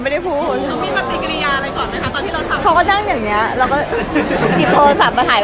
เลยต้องคิดโทรสอบมาถ่าย